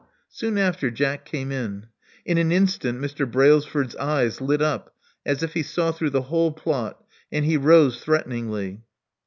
Soon after, Jack came in. In an instant Mr. Brailsford's eyes lit up as if he saw through the whole plot; and he rose threateningly.